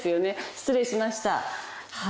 失礼しましたはい。